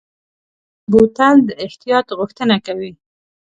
بوتل د احتیاط غوښتنه کوي.